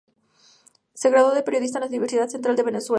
Se graduó de periodista en la Universidad Central de Venezuela.